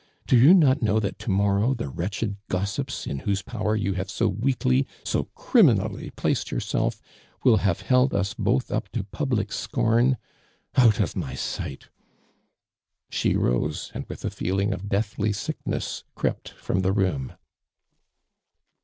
Do you not know that to morrow the wretched gossips in whose power you have so weakly, so crimi nally placed yourself, will have held us both up to public soorn ? Out of my sight !" Mio rose, and with a feeling of deathly sickness crept from the room.